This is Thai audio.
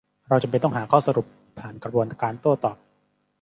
เราจำเป็นต้องหาข้อสรุปผ่านกระบวนการโต้ตอบ